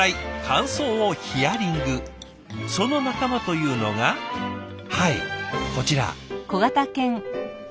その仲間というのがはいこちら。